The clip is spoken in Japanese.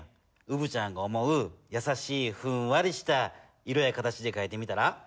うぶちゃんが思うやさしいふんわりした色や形でかいてみたら？